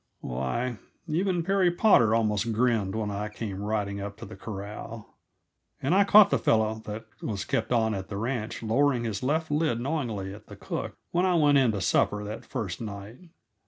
Why, even Perry Potter almost grinned when I came riding up to the corral; and I caught the fellow that was kept on at the ranch, lowering his left lid knowingly at the cook, when I went in to supper that first night.